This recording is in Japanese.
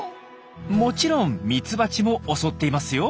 もちろんミツバチも襲っていますよ。